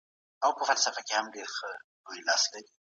ایا نوي کروندګر ممیز پروسس کوي؟